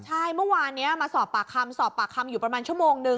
ใช่เมื่อวานนี้มาสอบปากคำสอบปากคำอยู่ประมาณชั่วโมงนึง